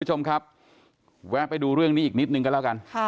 คุณผู้ชมครับแวะไปดูเรื่องนี้อีกนิดนึงก็แล้วกัน